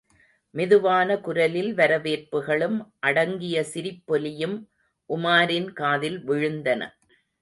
மெதுவான குரலில் வரவேற்புகளும், அடங்கிய சிரிப்பொலியும் உமாரின் காதில் விழுந்தன.